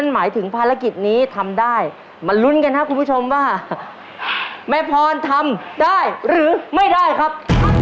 หลายทุกคนทางขวาแล้วครับ๒๕